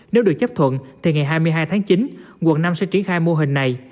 nếu được chấp thuận thì ngày hai mươi hai tháng chín quận năm sẽ triển khai mô hình này